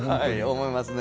思いますね。